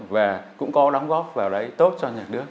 và cũng có đóng góp vào đấy tốt cho nhà nước